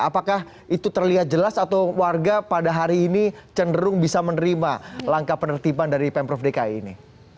apakah itu terlihat jelas atau warga pada hari ini cenderung bisa menerima langkah penertiban dari pemprov dki ini